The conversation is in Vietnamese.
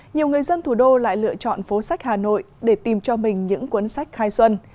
nhiều người dân thủ đô lại lựa chọn phố sách hà nội để tìm cho mình những cuốn sách khai xuân